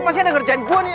pasti ada ngerjain gue nih